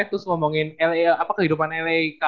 terus ngomongin kehidupan lai